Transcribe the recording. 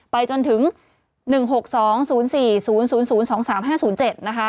ไปจนถึง๑๖๒๐๔๐๐๒๓๕๐๗นะคะ